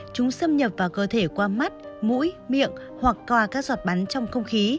chúng xâm nhập vào cơ thể qua mắt mũi miệng hoặc coa các giọt bắn trong không khí